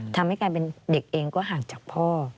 ทำให้กลายเป็นเด็กเองก็ห่างจากพ่อ